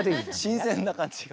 新鮮な感じが。